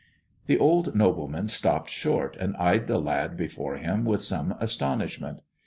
The old nobleman stopped short and eyed the lad before him with some astonishment.